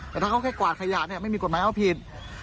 แต่ถ้าเขาแค่กวาดขยะเนี่ยไม่มีกฎหมายเอาผิด